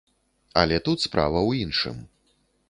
Але тут справа ў іншым.